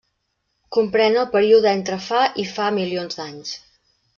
Comprèn el període entre fa i fa milions d'anys.